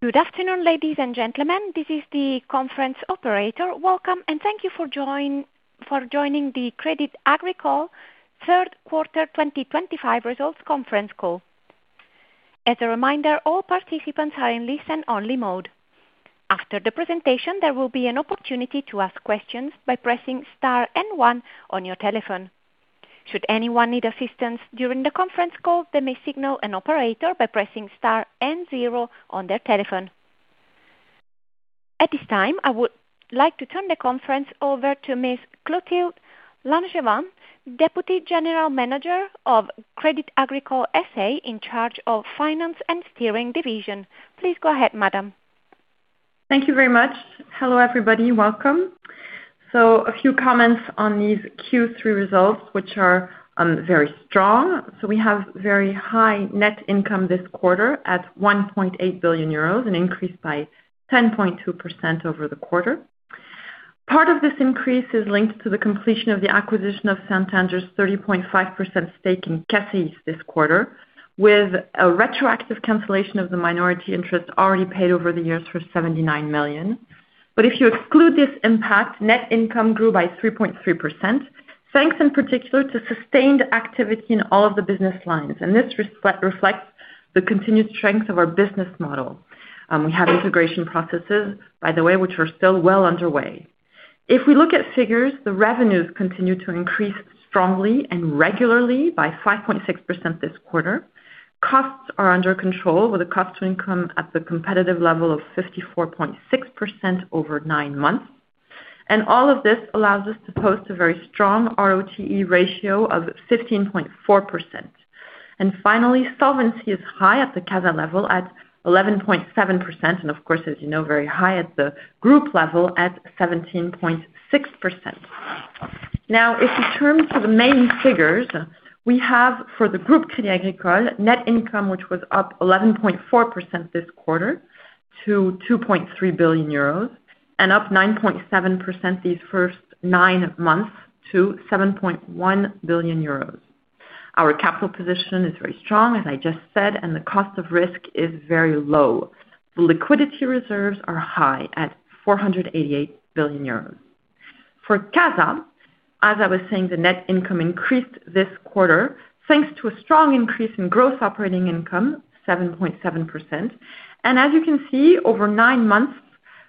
Good afternoon, ladies and gentlemen. This is the conference operator. Welcome and thank you for joining the Crédit Agricole third quarter 2025 results conference call. As a reminder, all participants are in listen-only mode. After the presentation, there will be an opportunity to ask questions by pressing star and one on your telephone. Should anyone need assistance during the conference call, they may signal an operator by pressing star and zero on their telephone. At this time, I would like to turn the conference over to Ms. Clotilde L’Angevin, Deputy General Manager of Crédit Agricole SA, in charge of the Finance and Steering division. Please go ahead, madam. Thank you very much. Hello, everybody. Welcome. A few comments on these Q3 results, which are very strong. We have very high net income this quarter at 1.8 billion euros, an increase by 10.2% over the quarter. Part of this increase is linked to the completion of the acquisition of Santander's 30.5% stake in CACEIS this quarter, with a retroactive cancellation of the minority interest already paid over the years for 79 million. If you exclude this impact, net income grew by 3.3%, thanks in particular to sustained activity in all of the business lines. This reflects the continued strength of our business model. We have integration processes, by the way, which are still well underway. If we look at figures, the revenues continue to increase strongly and regularly by 5.6% this quarter. Costs are under control, with a cost-to-income ratio at the competitive level of 54.6% over nine months. All of this allows us to post a very strong ROTE ratio of 15.4%. Finally, solvency is high at the CASA level at 11.7%. Of course, as you know, very high at the group level at 17.6%. Now, if you turn to the main figures we have for the Groupe Crédit Agricole, net income was up 11.4% this quarter to 2.3 billion euros, and up 9.7% these first nine months to 7.1 billion euros. Our capital position is very strong, as I just said, and the cost of risk is very low. The liquidity reserves are high at 488 billion euros for CASA. As I was saying, the net income increased this quarter thanks to a strong increase in gross operating income, 7.7%. As you can see, over nine months,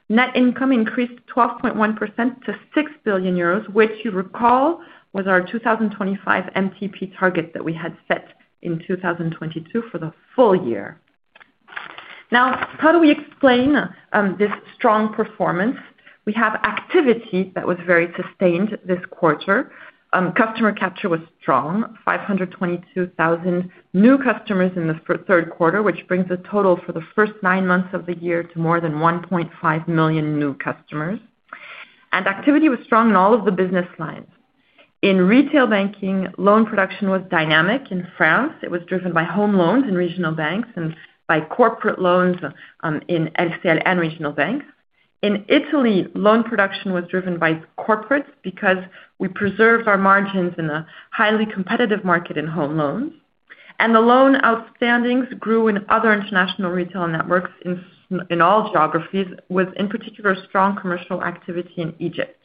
net income increased 12.1% to 6 billion euros, which you recall was our 2025 MTP target that we had set in 2022 for the full year. How do we explain this strong performance? We have activity that was very sustained this quarter, customer capture was strong. 522,000 new customers in the third quarter, which brings a total for the first nine months of the year to more than 1.5 million new customers. New activity was strong in all of the business lines. In retail banking, loan production was dynamic. In France, it was driven by home loans in regional banks, by corporate loans in regional banks. In Italy, loan production was driven by corporates because we preserved our margins in a highly competitive market in home loans. The loan outstandings grew in other international retail networks in all geographies with in particular strong commercial activity. In Egypt,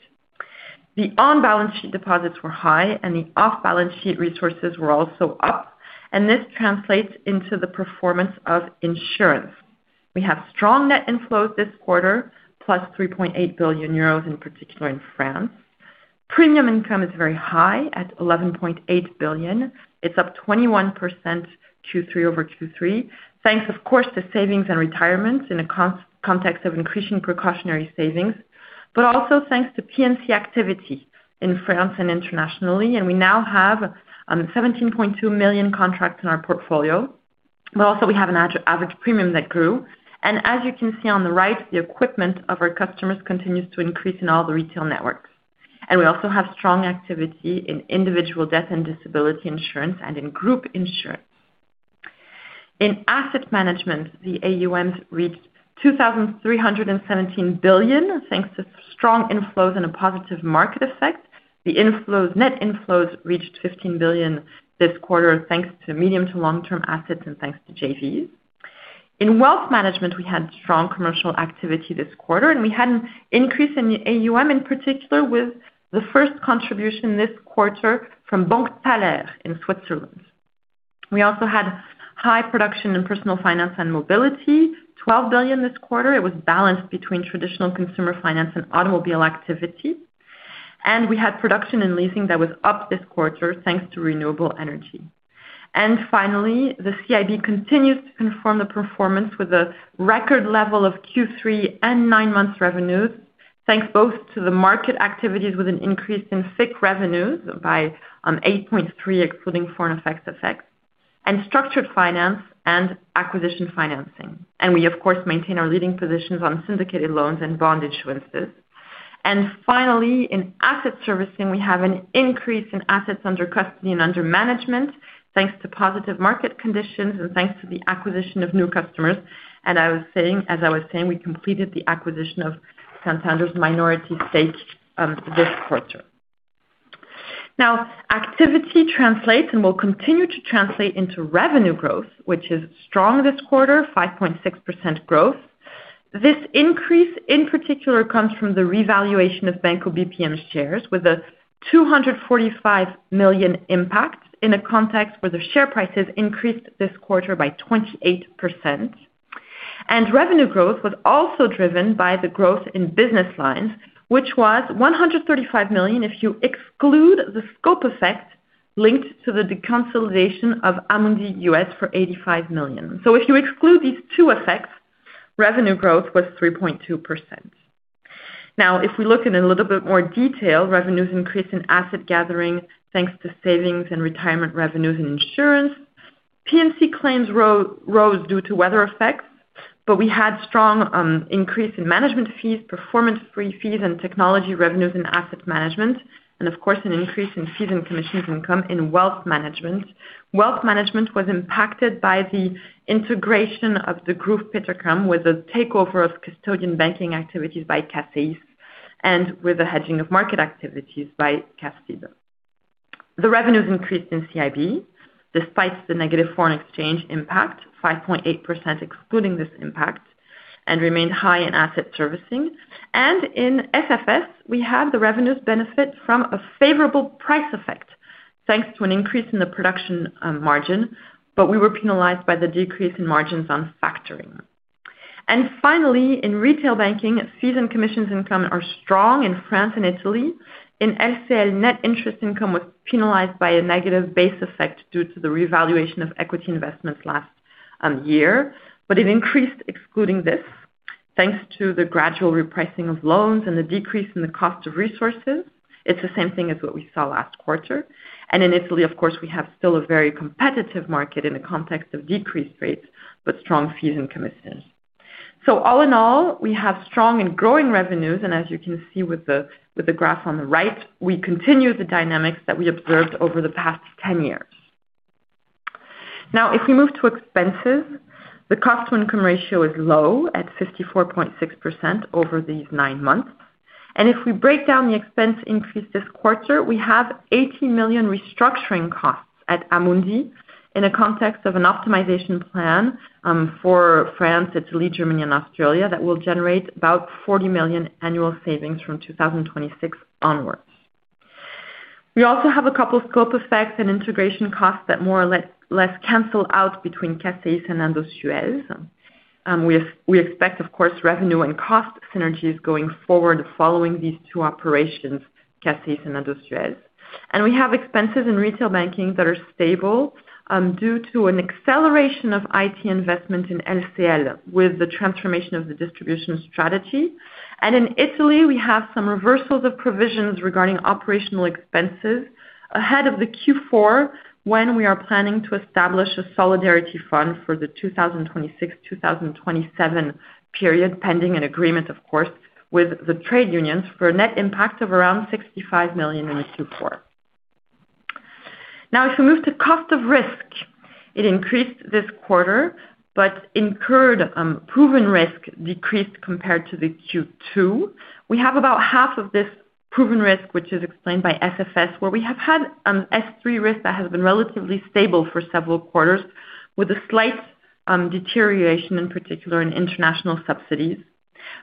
the on-balance sheet deposits were high and the off-balance sheet resources were also up. This translates into the performance of insurance. We have strong net inflows this quarter, +3.8 billion euros. In particular in France, premium income is very high at 11.8 billion. It's up 21% Q3 over Q3, thanks of course to savings and retirement in a constant context of increasing precautionary savings, but also thanks to PNC activity in France and internationally. We now have 17.2 million contracts in our portfolio. We have an average premium that grew. As you can see on the right, the equipment of our customers continues to increase in all the retail networks. We also have strong activity in individual debt and disability insurance and in group insurance. In asset management, the AUMs reached 2,317 billion thanks to strong inflows and a positive market effect. The net inflows reached 15 billion this quarter thanks to medium to long-term assets and thanks to JVs. In wealth management, we had strong commercial activity this quarter and we had an increase in AUM, in particular with the first contribution this quarter from Banque Thaler in Switzerland. We also had high production in personal finance and mobility, 12 billion this quarter. It was balanced between traditional consumer finance and automobile activity. We had production and leasing that was up this quarter thanks to renewable energy. Finally, the CIB continues to confirm the performance with a record level of Q3 and 9 months revenues thanks both to the market activities with an increase in FICC revenues by 8.3%, excluding foreign effects, FX and structured finance and acquisition financing. We of course maintain our leading positions on syndicated loans and bond issuances. In asset servicing, we have an increase in assets under custody and under management, thanks to positive market conditions and thanks to the acquisition of new customers. As I was saying, we completed the acquisition of Santander's minority stake this quarter. Now activity translates and will continue to translate into revenue growth which is strong this quarter, 5.6% growth. This increase in particular comes from the revaluation of Banco BPM shares with a 245 million impact in a context where the share prices increased this quarter by 28%. Revenue growth was also driven by the growth in business lines which was 135 million. If you exclude the scope effect linked to the deconsolidation of Amundi U.S. for 85 million, if you exclude these two effects, revenue growth was 3.2%. Now, if we look in a little bit more detail, revenues increase in asset gathering thanks to savings and retirement revenues in insurance. PNC claims rose due to weather effects, but we had strong increase in management fees, performance fees, and technology revenues in asset management. Of course, an increase in fees and commissions income in wealth management. Wealth management was impacted by the integration of Degroof Petercam with the takeover of custodian banking activities by CACEIS and with the hedging of market activities by CACEIS. The revenues increased in CIB despite the negative foreign exchange impact, 5.8% excluding this impact, and remained high in asset servicing and in SFS. We had the revenues benefit from a favorable price effect thanks to an increase in the production margin. We were penalized by the decrease in margins on factoring. Finally, in retail banking, fees and commissions income are strong in France and Italy. In LCL, net interest income was penalized by a negative base effect due to the revaluation of equity investments last year, but it increased excluding this thanks to the gradual repricing of loans and the decrease in the cost of resources. It's the same thing as what we saw last quarter. In Italy, of course, we have still a very competitive market in the context of decreased rates but strong fees and commissions. All in all, we have strong and growing revenues. As you can see with the graph on the right, we continue the dynamics that we observed over the past 10 years. Now, if we move to expenses, the cost-to-income ratio is low at 54.6% over these nine months. If we break down the expense increase this quarter, we have 80 million restructuring costs at Amundi in the context of an optimization plan for France, Italy, Germany, and Australia that will generate about 40 million annual savings from 2026 onwards. We also have a couple scope effects and integration costs that more or less cancel out between CACEIS and Indosuez. We expect, of course, revenue and cost synergies going forward following these two operations. CACEIS, and we have expenses in retail banking that are stable due to an acceleration of IT investment in LCL with the transformation of the distribution strategy. In Italy we have some reversals of provisions regarding operational expenses ahead of Q4 when we are planning to establish a solidarity fund for the 2026-2027 period pending an agreement, of course, with the trade unions for a net impact of around 65 million in Q4. If we move to cost of risk, it increased this quarter, but incurred proven risk decreased compared to Q2. We have about half of this proven risk explained by SFS, where we have had S3 risk that has been relatively stable for several quarters with a slight deterioration, in particular in international subsidiaries.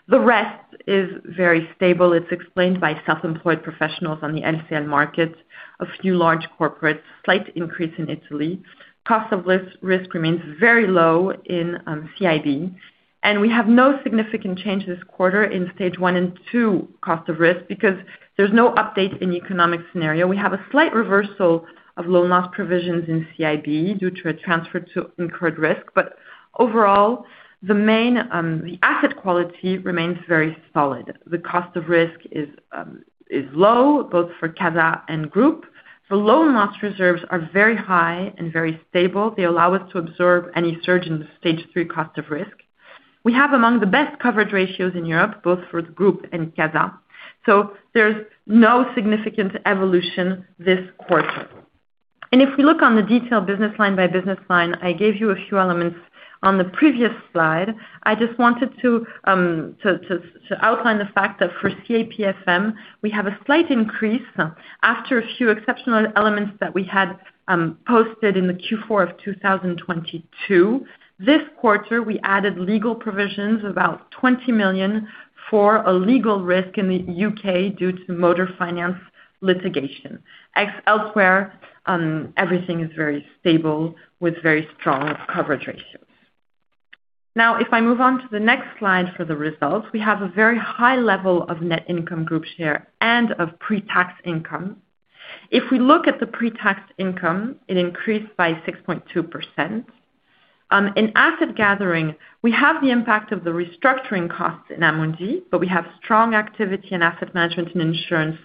The rest is very stable. It's explained by self-employed professionals on the LCL market and a few large corporates. There is a slight increase in Italy. Cost of risk remains very low in CIB, and we have no significant change this quarter in stage one and two cost of risk because there's no update in the economic scenario. We have a slight reversal of loan loss provisions in CIB due to a transfer to incurred risk. Overall, asset quality remains very solid. The cost of risk is low both for CASA and the group. The loan loss reserves are very high and very stable. They allow us to absorb any surge in the stage three cost of risk. We have among the best coverage ratios in Europe both for the group and CASA. There is no significant evolution this quarter. If we look in detail business line by business line, I gave you a few elements on the previous slide. I just wanted to outline the fact that for CAPFM we have a slight increase after a few exceptional elements that we had posted in Q4 of 2022. This quarter we added legal provisions, about 20 million, for a legal risk in the U.K due to motor finance litigation. Elsewhere, everything is very stable with very strong coverage ratio. If I move on to the next slide for the results, we have a very high level of net income group share and of pre-tax income. If we look at the pre-tax income, it increased by 6.2%. In asset gathering, we have the impact of the restructuring costs in Amundi, but we have strong activity in asset management and insurance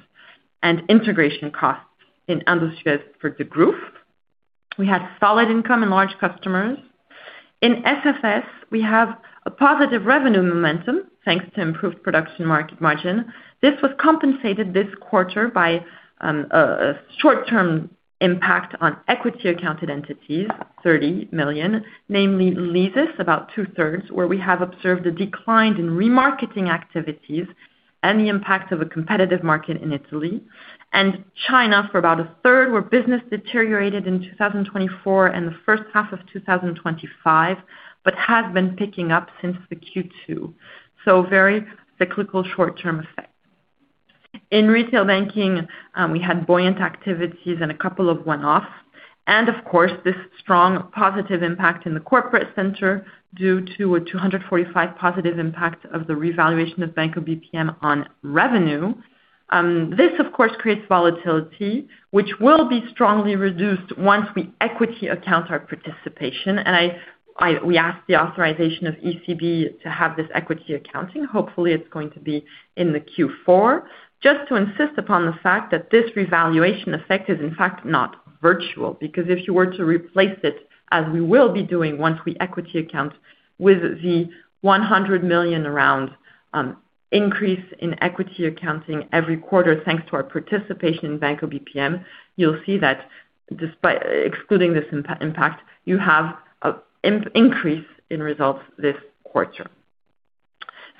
and integration costs in Indosuez. For Degroof, we had solid income and large customers. In SFS, we have a positive revenue momentum thanks to improved production margin. This was compensated this quarter by a short-term impact on equity-accounted entities, 30 million, namely Leasys, about two-thirds where we have observed a decline in remarketing activities and the impact of a competitive market in Italy and China for about a third, where business deteriorated in 2024 and the first of 2025, but has been picking up since Q2. Very cyclical short-term effect. In retail banking, we had buoyant activities and a couple of one-offs. Of course, this strong positive impact in the corporate center is due to a 245 million positive impact of the revaluation of Banco BPM on revenue. This creates volatility, which will be strongly reduced once we equity account our participation. We asked the authorization of the ECB to have this equity accounting. Hopefully, it's going to be in Q4. Just to insist upon the fact that this revaluation effect is in fact not virtual, because if you were to replace it, as we will be doing once we equity account, with the 100 million around increase in equity accounting every quarter thanks to our participation in Banco BPM, you'll see that excluding this impact, you have an increase in results this quarter.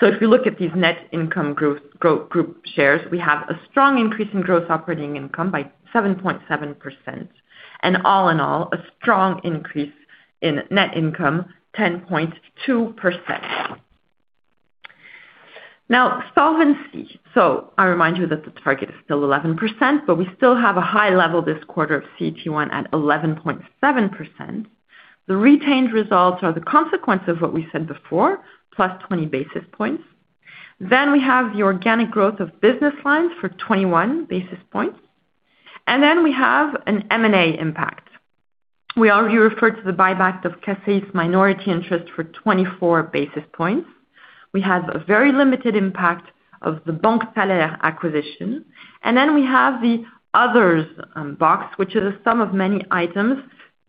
If you look at these net income group shares, we have a strong increase in gross operating income by 7.7%. All in all, a strong increase in net income, 10.2%. Now, solvency. I remind you that the target is still 11%, but we still have a high level this quarter of CET1 at 11.5%. The retained results are the consequence of what we said before, +20 basis points. We have the organic growth of business lines for 21 basis points. We have an M&A impact. We already referred to the buyback of CACEIS minority interest for 24 basis points. We have a very limited impact of the Banque Saudi Fransi acquisition. We have the others box, which is a sum of many items.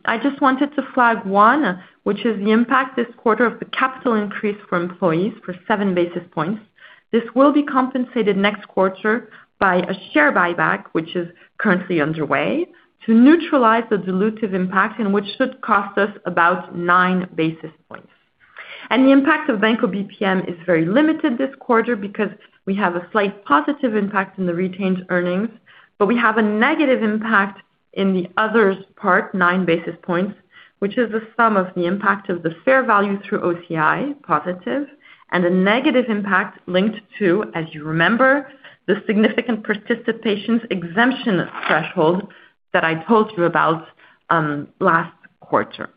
I just wanted to flag one, which is the impact this quarter of the capital increase for employees for 7 basis points. This will be compensated next quarter by a share buyback, which is currently underway to neutralize the dilutive impact, which should cost us about 9 basis points. The impact of Banco BPM is very limited this quarter because we have a slight positive impact in the retained earnings. We have a negative impact in the other part, 9 basis points, which is the sum of the impact of the fair value through OCI positive and a negative impact linked to, as you remember, the significant participation exemption threshold that I told you about last quarter.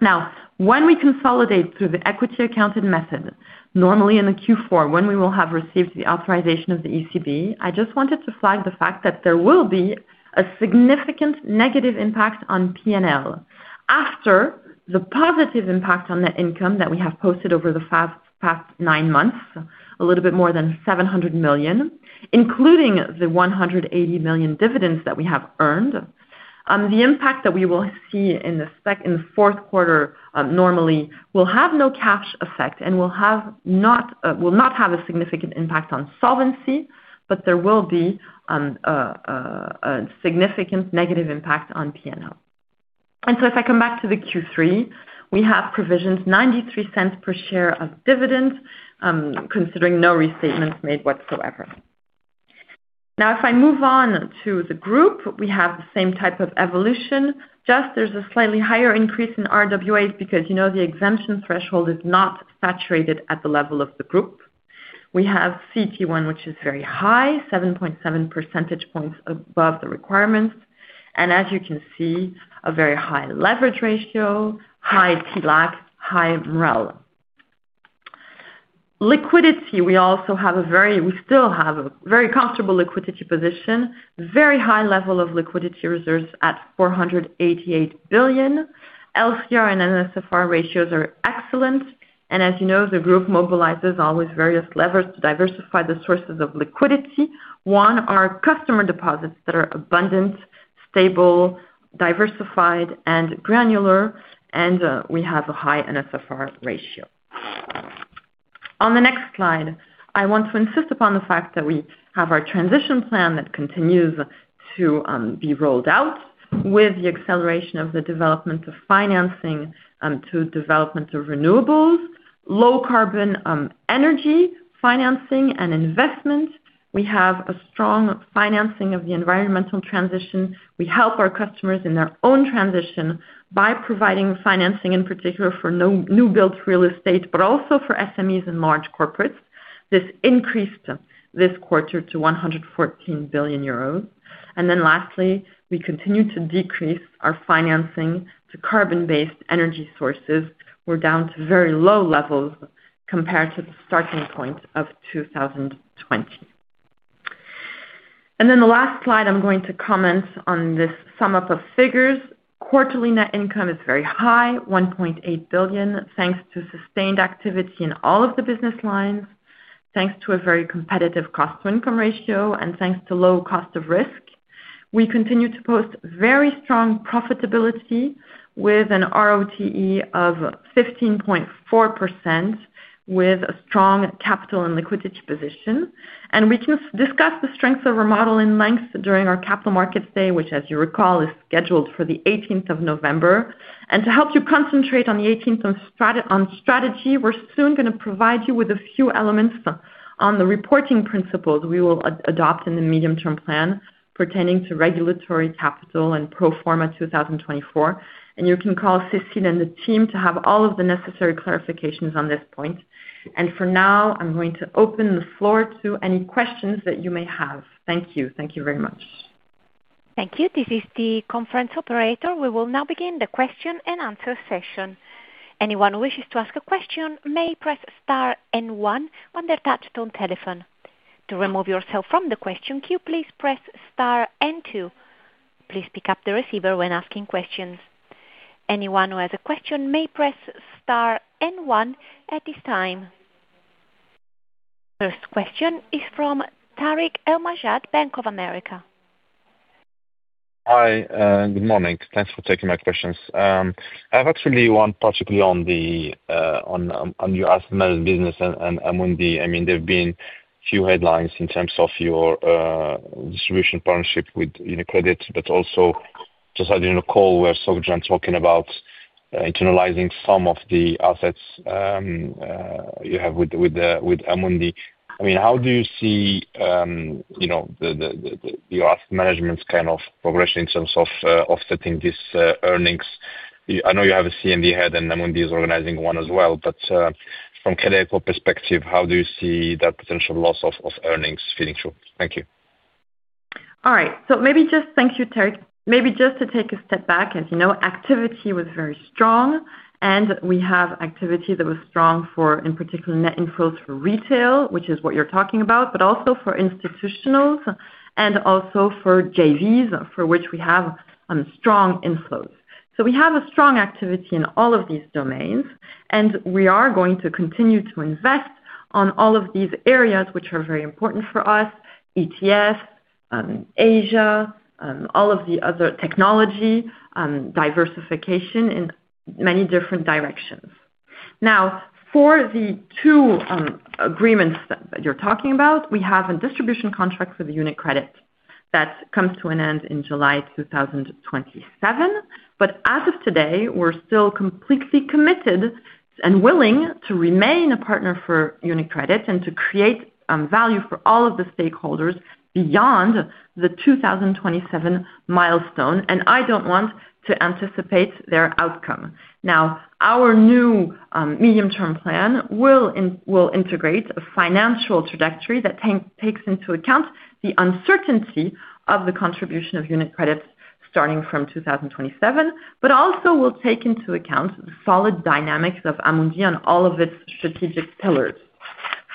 Now, when we consolidate through the equity accounted method, normally in Q4 when we will have received the authorization of the ECB, I just wanted to flag the fact that there will be a significant negative impact on P&L after the positive impact on net income that we have posted over the past nine months, a little bit more than 700 million including the 180 million dividends that we have earned. The impact that we will see in the fourth quarter normally will have no cash effect and will not have a significant impact on solvency, but there will be a significant negative impact on P&L. If I come back to Q3, we have provisioned 0.93 per share of dividend considering no restatements made whatsoever. Now, if I move on to the group, we have the same type of evolution, just there's a slightly higher increase in RWAs because you know the exemption threshold is not saturated. At the level of the group, we have CET1 which is very high, 7.7% above the requirements, and as you can see, a very high leverage ratio, high TLAC, high MREL, liquidity. We also have a very comfortable liquidity position, very high level of liquidity reserves at 488 billion. LCR and NSFR ratios are excellent and as you know, the group mobilizes all various levers to diversify the sources of liquidity. One are customer deposits that are abundant, stable, diversified, and granular, and we have a high NSFR ratio. On the next slide, I want to insist upon the fact that we have our transition plan that continues to be rolled out with the acceleration of the development of financing to development of renewables, low carbon energy financing, and investment. We have a strong financing of the environmental transition. We help our customers in their own transition by providing financing in particular for new built real estate, but also for SMEs and large corporates. This increased this quarter to 114 billion euros. Lastly, we continue to decrease our financing to carbon-based energy sources. We're down to very low levels compared to the starting point of 2020. The last slide, I'm going to comment on this sum up of figures. Quarterly net income is very high, 1.8 billion, thanks to sustained activity in all of the business lines. Thanks to a very competitive cost-to-income ratio and thanks to low cost of risk, we continue to post very strong profitability with an ROTE of 15.4% with a strong capital and liquidity position. We can discuss the strengths of our model in length during our Capital Markets Day, which as you recall is scheduled for the 18th of November. To help you concentrate on the 18th and 15th on strategy, we're soon going to provide you with a few elements on the reporting principles we will adopt in the medium-term plan pertaining to regulatory capital and pro forma 2024. You can call Cécile and the team to have all of the necessary clarifications on this point. For now, I'm going to open the floor to any questions that you may have. Thank you. Thank you very much. Thank you. This is the conference operator. We will now begin the question and answer session. Anyone who wishes to ask a question may press star and one on their touch-tone telephone. To remove yourself from the question queue, please press star and two. Please pick up the receiver when asking questions. Anyone who has a question may press star and one at this time. First question is from Tarik El Mejjad, Bank of America. Hi, good morning. Thanks for taking my questions. I have actually one particularly on your asset management business and Amundi. I mean, there have been few headlines in terms of your distribution partnership with UniCredit, but also just in a call where someone was talking about internalizing some of the assets you have with Amundi. I mean, how do you see, you know, your asset management's kind of progression in terms of offsetting this? I know you have a CMD ahead and Amundi is organizing one as well. From Crédit Agricole perspective, how do you see that potential loss of earnings feeding through? Thank you. All right, maybe just to take a step back. As you know, activity was very strong and we have activity that was strong for, in particular, net inflows for retail, which is what you're talking about, but also for institutionals and also for JVs, for which we have strong inflows. We have strong activity in all of these domains. We are going to continue to invest in all of these areas, which are very important for us. ETFs, Asia, and all of the other technology diversification in many different directions. Now, for the two agreements that you're talking about, we have a distribution contract with UniCredit that comes to an end in July 2027. As of today, we're still completely committed and willing to remain a partner for UniCredit and to create value for all of the stakeholders beyond the 2027 milestone. I don't want to anticipate their outcome. Our new medium term plan will integrate a financial trajectory that takes into account the uncertainty of the contribution of UniCredit starting from 2027, but also will take into account the solid dynamics of Amundi and all of its strategic pillars.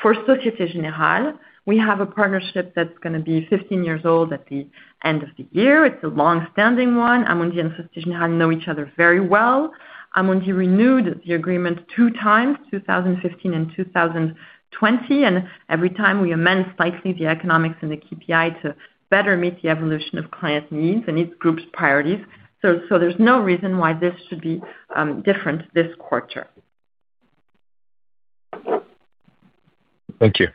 For Société Générale, we have a partnership that's going to be 15 years old at the end of the year. It's a long-standing one. Amundi and Société Générale know each other very well. Amundi renewed the agreement two times, 2015 and 2020, and every time we amend slightly the economics and the KPI to better meet the evolution of client needs and its group's priorities. There's no reason why this should be different this quarter. Thank you.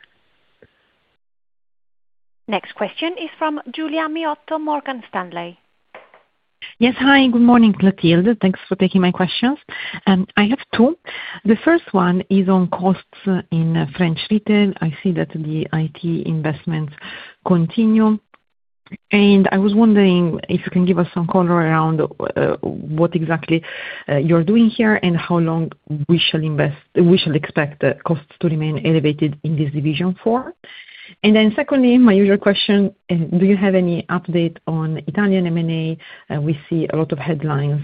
Next question is from Giulia Miotto, Morgan Stanley. Yes. Hi. Good morning, Clotilde. Thanks for taking my questions. I have two. The first one is on costs in French retail. I see that investments continue, and I was wondering if you can give us some color around what exactly you're doing here and how long we shall invest. We shall expect costs to remain elevated in this division for. Secondly, my usual question. Do you have any update on Italian M&A? We see a lot of headlines.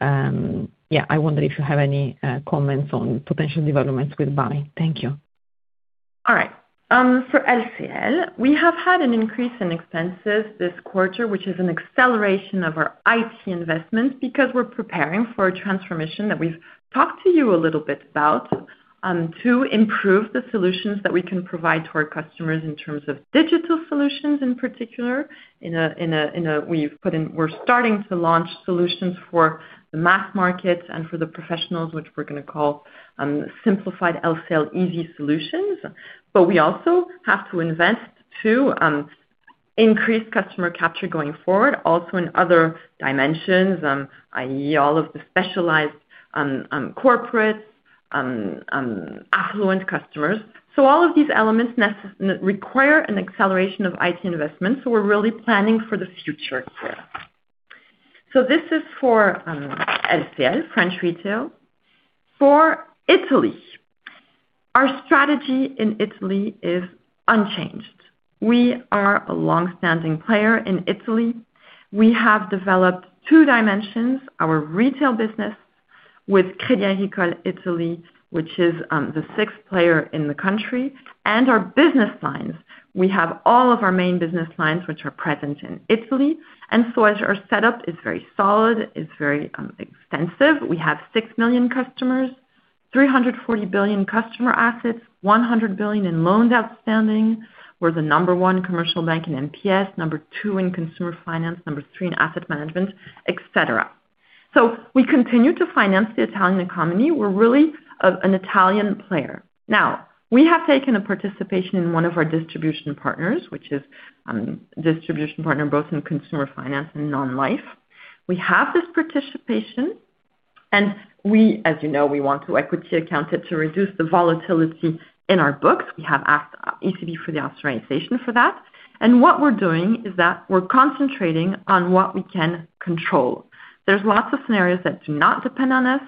I wonder if you have any comments on potential developments with Banco BPM. Thank you. For LCL, we have had an increase in expenses this quarter, which is an acceleration of our IT investment because we're preparing for a transformation that we've talked to you a little bit about to improve the solutions that we can provide to our customers. In terms of digital solutions in particular, we're starting to launch solutions for the mass markets and for the professionals, which we're going to call simplified LCL easy solutions. We also have to invest to increase customer capture going forward, also in other dimensions, that is all of the specialized corporates, affluent customers. All of these elements require an acceleration of IT investment. We're really planning for the future here. This is for French retail. For Italy, our strategy in Italy is unchanged. We are a long-standing player in Italy. We have developed two dimensions: our retail business with Crédit Agricole Italy, which is the sixth player in the country, and our business lines. We have all of our main business lines which are present in Italy. Our setup is very solid, it's very extensive. We have 6 million customers, 340 billion customer assets, 100 billion in loans outstanding. We're the number one commercial bank in NPS, number two in consumer finance, number three in asset management, etc. We continue to finance the Italian economy. We're really an Italian player now. We have taken a participation in one of our distribution partners, which is a distribution partner both in consumer finance and non-life. We have this participation, and as you know, we want to equity account it to reduce the volatility in our books. We have asked the ECB for the authorization for that. What we're doing is that we're concentrating on what we can control. There are lots of scenarios that do not depend on us.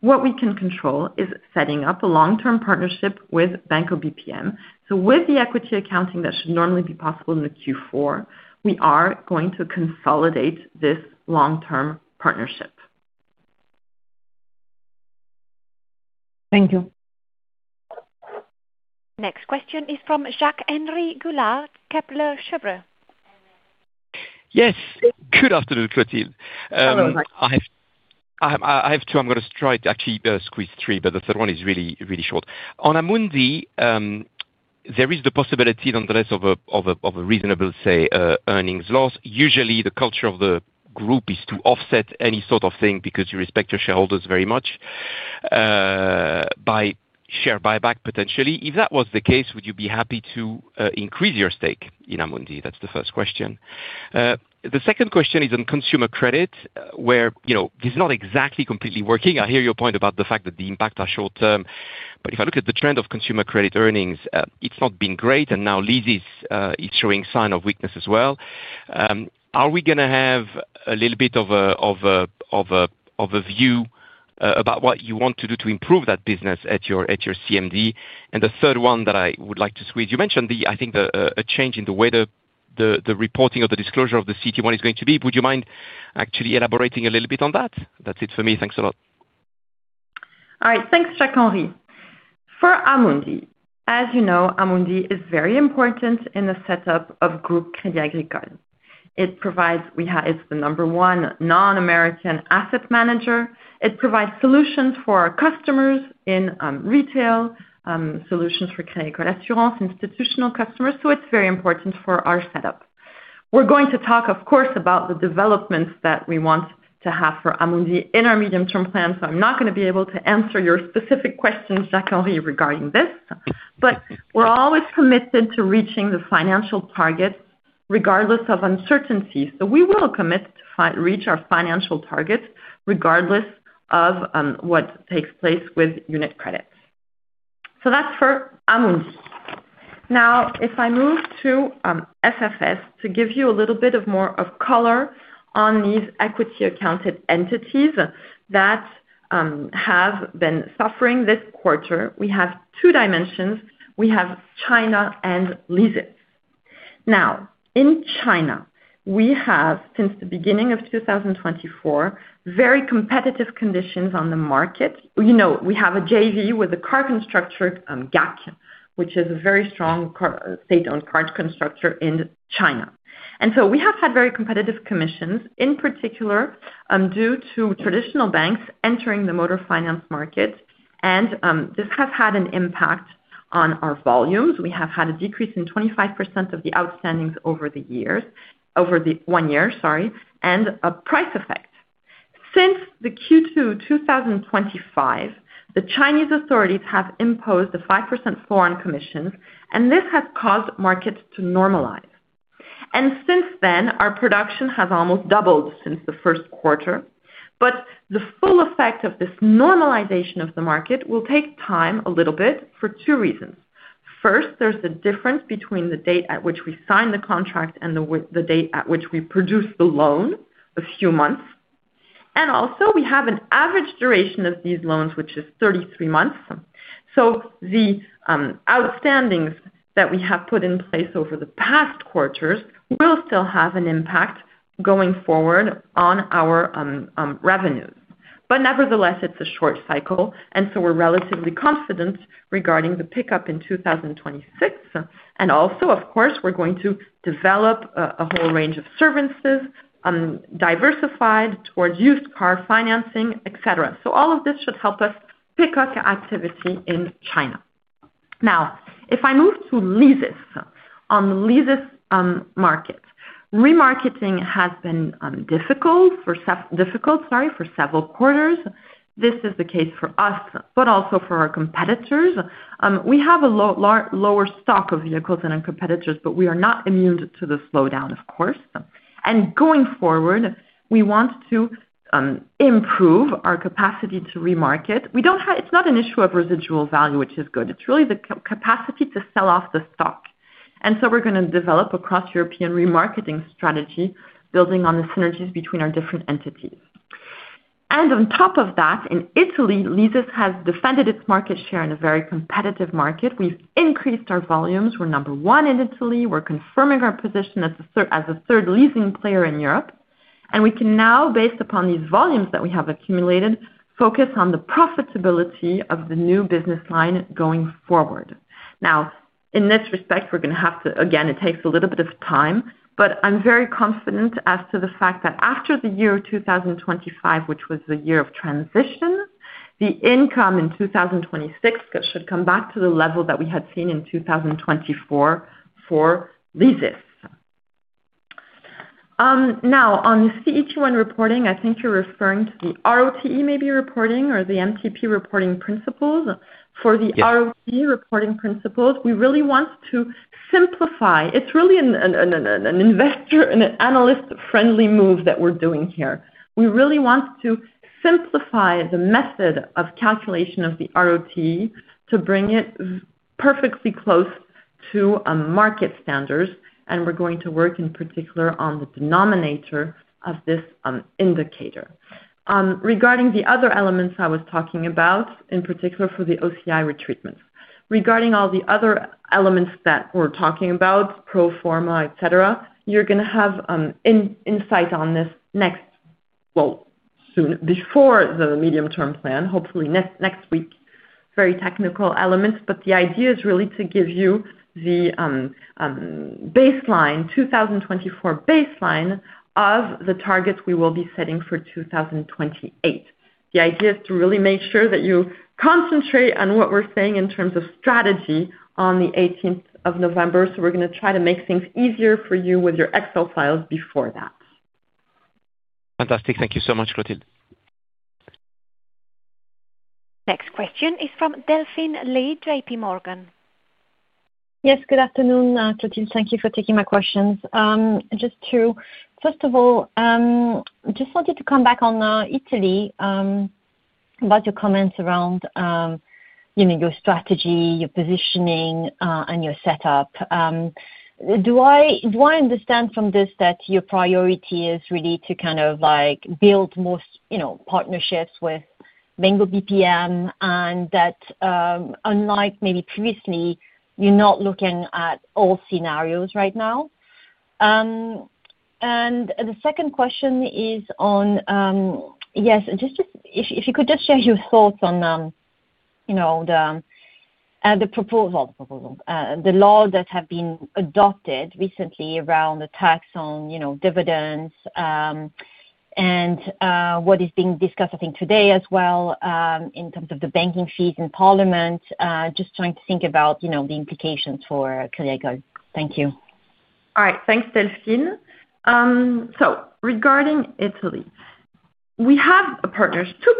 What we can control is setting up a long-term partnership with Banco BPM. With the equity accounting that should normally be possible in Q4, we are going to consolidate this long-term partnership. Thank you. Next question is from Jacques-Henri Gaulard, Kepler Cheuvreux. Yes, good afternoon Clotilde. I have two, I'm going to try to actually squeeze three. The third one is really, really short on Amundi. There is the possibility nonetheless of a reasonable, say, earnings loss. Usually the culture of the group is to offset any sort of thing because you respect your shareholders very much by share buyback. Potentially, if that was the case, would you be happy to increase your stake in Amundi? That's the first question. The second question is on consumer credit where this is not exactly completely working. I hear your point about the fact that the impact is short term, but if I look at the trend of consumer credit earnings, it's not been great and now Leasys, it's showing sign of weakness as well. Are we going to have a little bit of a view about what you want to do to improve that business at your CMD? The third one that I would like to squeeze, you mentioned, I think, a change in the way the reporting of the disclosure of the CET1 ratio is going to be. Would you mind actually elaborating a little bit on that? That's it for me. Thanks a lot. All right, thanks Jacques-Henri for Amundi. As you know, Amundi is very important in the setup of Groupe Crédit Agricole. It provides, it's the number one non-American asset manager. It provides solutions for our customers in retail solutions for credit, corresponds institutional customers. It's very important for our setup. We're going to talk of course about the developments that we want to have for Amundi in our medium term plan. I'm not going to be able to answer your specific questions, Jacques-Henri, regarding this, but we're always committed to reaching the financial target regardless of uncertainty. We will commit to reach our financial targets regardless of what takes place with UniCredit. That's for Amundi. Now if I move to SFS to give you a little bit more color on these equity accounted entities that have been suffering this quarter, we have two dimensions. We have China and leasing. Now in China, we have since the beginning of 2024 very competitive conditions on the market. We have a JV with a car constructor GAC, which is a very strong state-owned car constructor in China. We have had very competitive commissions, in particular due to traditional banks entering the motor finance market. This has had an impact on our volumes. We have had a decrease of 25% of the outstandings over the one year and a price effect since Q2 2025. The Chinese authorities have imposed a 5% foreign commission and this has caused markets to normalize. Since then, our production has almost doubled since the first quarter. The full effect of this normalization of the market will take time a little bit for two reasons. First, there is a difference between the date at which we sign the contract and the date at which we produce the loan, a few months. Also, we have an average duration of these loans which is 33 months. The outstandings that we have put in place over the past quarters will still have an impact going forward on our revenues. Nevertheless, it's a short cycle and we're relatively confident regarding the pickup in 2026. Also, we're going to develop a whole range of services diversified towards used car financing, etc. All of this should help us pick up activity in China. Now if I move to leasing. On the leasing market, remarketing has been difficult for several quarters. This is the case for us, but also for our competitors. We have a lower stock of vehicles than our competitors, but we are not immune to the slowdown, of course. Going forward, we want to improve our capacity to remarket. It's not an issue of residual value, which is good. It's really the capacity to sell off, and we are going to develop a cross-European remarketing strategy, building on the synergies between our different entities. On top of that, in Italy, Leasys has defended its market share in a very competitive market. We've increased our volumes. We're number one in Italy. We're confirming our position as the third leasing player in Europe. We can now, based upon these volumes that we have accumulated, focus on the profitability of the new business line going forward. In this respect, we're going to have to, again, it takes a little bit of time, but I'm very confident as to the fact that after the year 2025, which was the year of transition, the income in 2026 should come back to the level that we had seen in 2024 for Leasys. Now, on the CET1 reporting, I think you're referring to the ROTE reporting or the MTP reporting principles. For the ROTE reporting principles, we really want to simplify. It's really an investor, an analyst-friendly move that we're doing here. We really want to simplify the method of calculation of the ROTE to bring it perfectly close to market standards, and we are going to work in particular on the denominator of this indicator. Regarding the other elements I was talking about, in particular for the OCI retreatments, regarding all the other elements that we're talking about, pro forma, etc., you're going to have insight on this next, hopefully next week, before the medium term plan. Very technical elements. The idea is really to give you the baseline, 2024 baseline of the targets we will be setting for 2028. The idea is to really make sure that you concentrate on what we're saying in terms of strategy on the 18th of November. We are going to try to make things easier for you with your Excel files before that. Fantastic. Thank you so much, Clotilde. Next question is from Delphine Lee, JPMorgan. Yes, good afternoon, Clotilde. Thank you for taking my questions. First of all, just to come back on Italy about your comments around your strategy, your positioning, and your setup. Do I understand from this that your priority is really to kind of like build more partnerships with Banco BPM and that unlike maybe previously, you're not looking at all scenarios right now? The second question is on, yes, if you could just share your thoughts on the proposal, the law that has been adopted recently around the tax on dividends and what is being discussed, I think today as well, in terms of the banking fees in Parliament, just trying to think about the implications for that. Thank you. All right, thanks, Delphine. Regarding Italy, we have two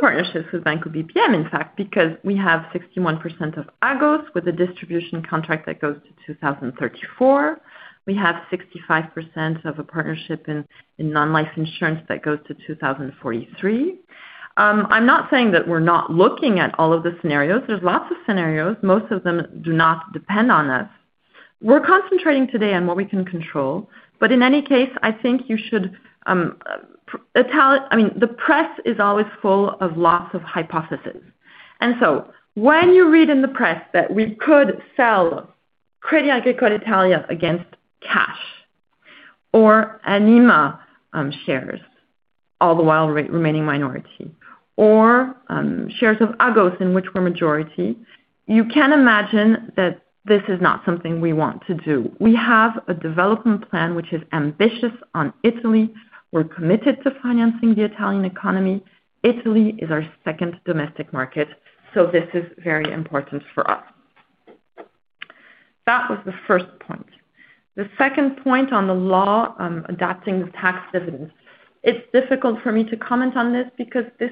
partnerships with Banco BPM. In fact, we have 61% of Agos with a distribution contract that goes to 2034. We have 65% of a partnership in non-life insurance that goes to 2043. I'm not saying that we're not looking at all of the scenarios. There are lots of scenarios. Most of them do not depend on us. We're concentrating today on what we can control. In any case, I think you should, I mean, the press is always full of lots of hypotheses. When you read in the press that we could sell Crédit Agricole Italia against cash or Anima shares, all the while remaining minority or shares of Agos in which we're majority, you can imagine that this is not something we want to do. We have a development plan which is ambitious on Italy. We're committed to financing the Italian economy. Italy is our second domestic market. This is very important for us. That was the first point. The second point on the law adapting the tax on dividends, it's difficult for me to comment on this because, as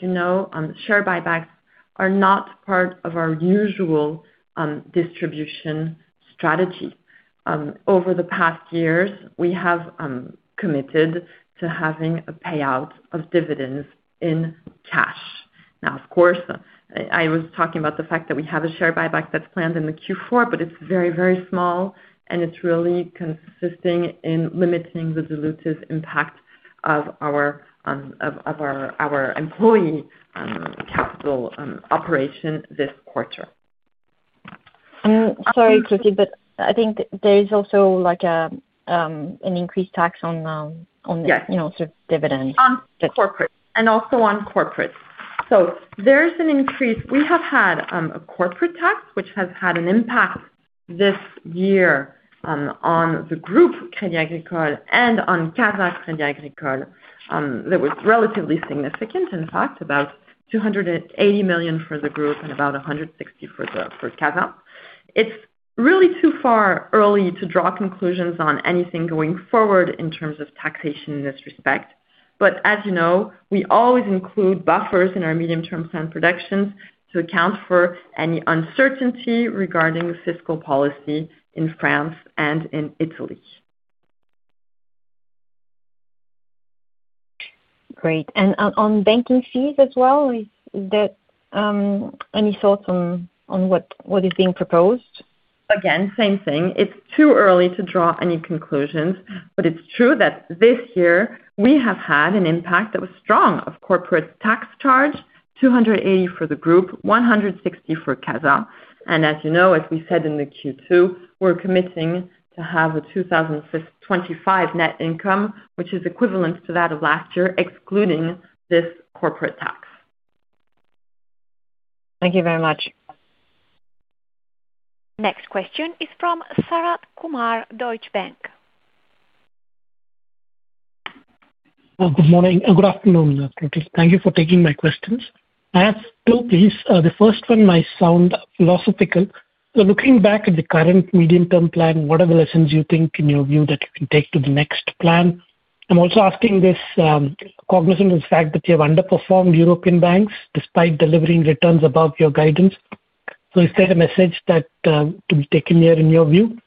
you know, share buybacks are not part of our usual distribution strategy. Over the past years, we have committed to having a payout of dividends in cash. Now, of course, I was talking about the fact that we have a share buyback that's planned in Q4, but it's very, very small and it's really consisting in limiting the dilutive impact of our employee capital operation this quarter. Sorry, Clotilde, but I think there is also an increased tax on dividends. On corporate and also on corporate. There's an increase. We have had a corporate tax which has had an impact this year on the Groupe Crédit Agricole and on CASA. Crédit Agricole that was relatively significant. About 280 million for the group and about 160 million for CASA. It's really too early to draw conclusions on anything going forward in terms of taxation in this respect. As you know, we always include buffers in our medium-term plan productions to account for any uncertainty regarding fiscal policy in France and in Italy. Great. On banking fees as well, is there any thoughts on what is being proposed? Again, same thing. It's too early to draw any conclusions. It's true that this year we have had an impact that was strong of corporate tax charge, 280 million for the group, 160 million for CASA. As you know, as we said in the Q2, committing to have a 2025 net income which is equivalent to that of last year, excluding this corporate tax. Thank you very much. Next question is from Sharath Kumar, Deutsche Bank. Good morning. Good afternoon. Thank you for taking my questions. I have two, please. The first one might sound philosophical. Looking back at the current medium term plan, what are the lessons you think in your view that you can take to the next plan? I'm also asking this cognizant of the fact that you have underperformed European banks despite delivering returns above your guidance. Is there a message that to be taken here in your view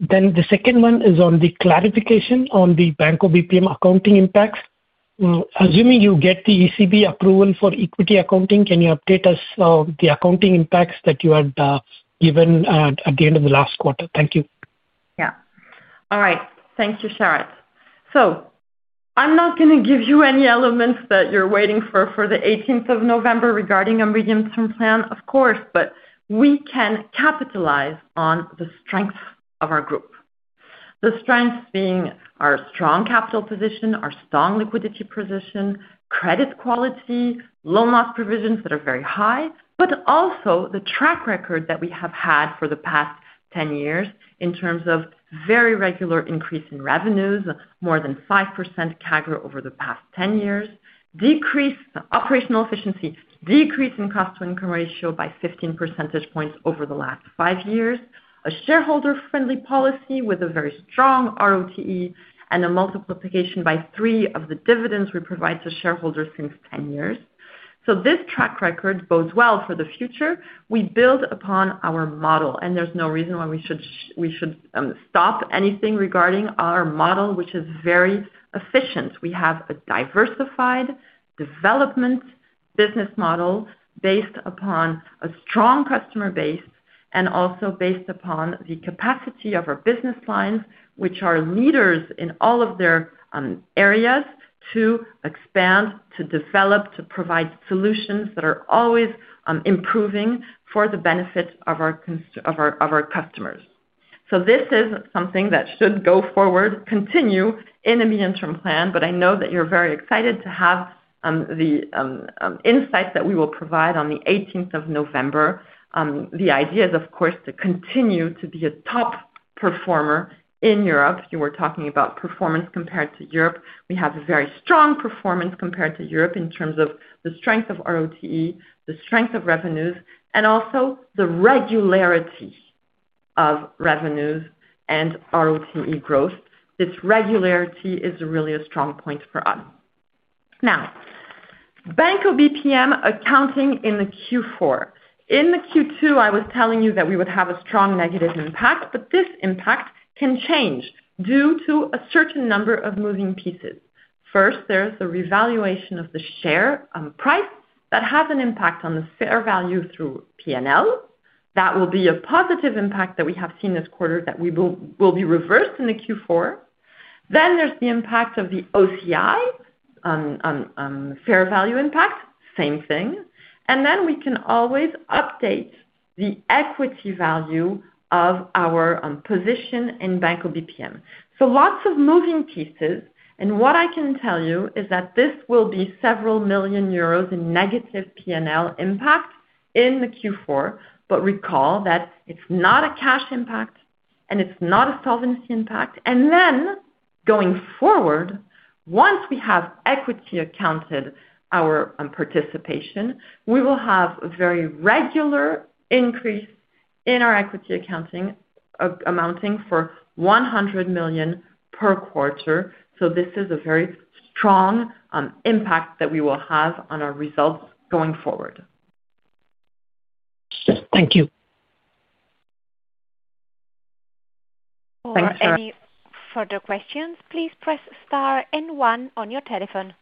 then? The second one is on the clarification on the Banco BPM accounting impacts. Assuming you get the ECB approval for equity accounting, can you update us the accounting impacts that you had even at the end of the last quarter? Thank you. All right. Thank you, Sharath. I'm not going to give you any elements that you're waiting for for the 18th of November regarding a medium term plan, of course, but we can capitalize on the strength of our group. The strength being our strong capital position, our strong liquidity position, credit quality, loan loss provisions that are very high, and also the track record that we have had for the past 10 years in terms of very regular increase in revenues, more than 5% CAGR over the past 10 years, decrease in operational efficiency, decrease in cost-to-income ratio by 15 percentage points over the last five years, a shareholder friendly policy with a very strong ROTE and a multiplication by 3 of the dividends we provide to shareholders since 10 years. This track record bodes well for the future. We build upon our model and there's no reason why we should stop anything regarding our model, which is very efficient. We have a diversified development business model based upon a strong customer base and also based upon the capacity of our business lines, which are leaders in all of their areas, to expand, to develop, to provide solutions that are always improving for the benefit of our customers. This is something that should go forward, continue in a medium term plan. I know that you're very excited to have the insight that we will provide on the 18th of November. The idea is, of course, to continue to be a top performer in Europe. You were talking about performance compared to Europe. We have a very strong performance compared to Europe in terms of the strength of ROTE, the strength of revenues, and also the regularity of revenues and ROTE growth. This regularity is really a strong point for now. Banco BPM accounting in Q4, in Q2, I was telling you that we would have a strong negative impact. This impact can change due to a certain number of moving pieces. First, there is the revaluation of the share price. That has an impact on the fair value through P&L. That will be a positive impact that we have seen this quarter. That will be reversed in Q4. There is the impact of the OCI on fair value impact, same thing. We can always update the equity value of our position in Banco BPM. Lots of moving pieces. What I can tell you is that this will be several million euros in negative P&L impact in Q4. Recall that it's not a cash impact and it's not a solvency impact. Going forward, once we have equity accounted our participation, we will have a very regular increase in our equity accounting, amounting for 100 million per quarter. This is a very strong impact that we will have on our results going forward. Thank you. Any further questions, please press star star and one on your telephone.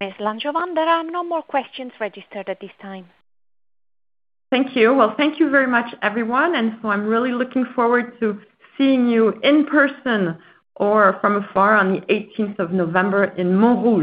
Ms. L’Angevin, there are no more questions registered at this time. Thank you. Thank you very much, everyone. I'm really looking forward to seeing you in person or from afar on the 18th of November in Montrouge.